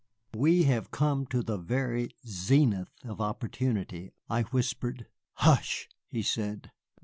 "We have come at the very zenith of opportunity," I whispered. "Hush!" he said.